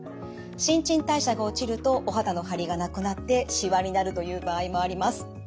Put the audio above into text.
新陳代謝が落ちるとお肌の張りがなくなってしわになるという場合もあります。